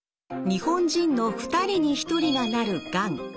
日本人の２人に１人がなるがん。